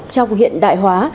trong hiện đại hóa